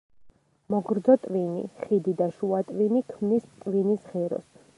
მოგრძო ტვინი, ხიდი და შუა ტვინი ქმნის ტვინის ღეროს.